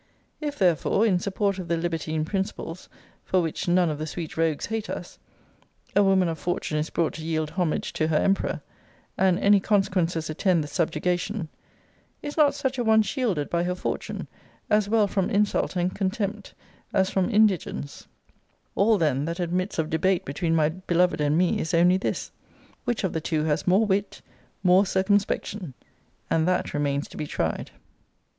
If, therefore, in support of the libertine principles for which none of the sweet rogues hate us, a woman of fortune is brought to yield homage to her emperor, and any consequences attend the subjugation, is not such a one shielded by her fortune, as well from insult and contempt, as from indigence all, then, that admits of debate between my beloved and me is only this which of the two has more wit, more circumspection and that remains to be tried.